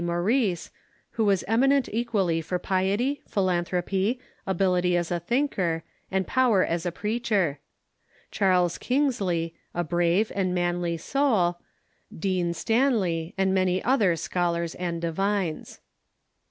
Maurice, who was eminent equally for jjiety, ])hilanthropy, ability as a thinker, and power as a preacher; Charles Kingsley, a brave and manly soul ; Dean Stanley, and many other scholars and divines.